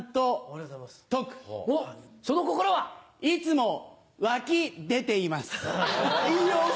いつもワキ出ています。